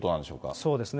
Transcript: そうですね。